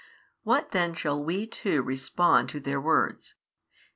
What then shall WE too respond to their words?